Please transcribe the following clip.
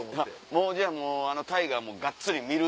もうじゃああの大河はもうがっつり見る。